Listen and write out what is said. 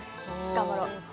頑張ろう。